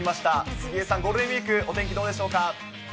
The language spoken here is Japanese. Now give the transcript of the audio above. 杉江さん、ゴールデンウィーク、お天気どうでしょうか。